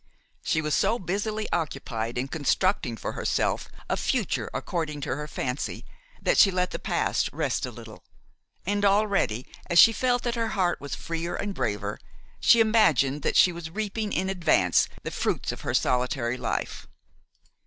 She was so busily occupied in constructing for herself a future according to her fancy that she let the past rest a little; and already, as she felt that her heart was freer and braver, she imagined that she was reaping in advance the fruits of her solitary life.